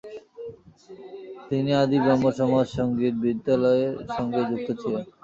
তিনি আদি ব্রাহ্মসমাজ সঙ্গীত বিদ্যালয়ের সঙ্গেও যুক্ত ছিলেন।